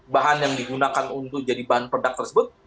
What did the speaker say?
bahan yang digunakan untuk jadi bahan produk tersebut